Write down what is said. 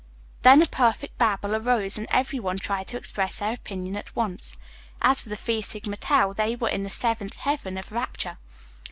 Then a perfect babble arose, and every one tried to express their opinion at once. As for the Phi Sigma Tau, they were in the seventh heaven of rapture.